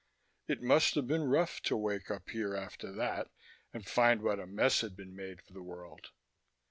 It must have been rough to wake up here after that and find what a mess had been made of the world.